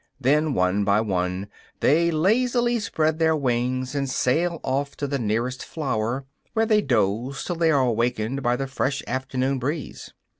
Then one by one, they lazily spread their wings, and sail off to the nearest flower, where they doze till they are awakened by the fresh afternoon breeze.